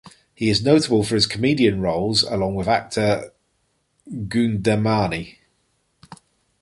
He is notable for his comedian roles along with actor Goundamani.